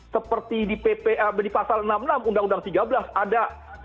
seperti di pasal enam puluh enam undang undang tiga belas ada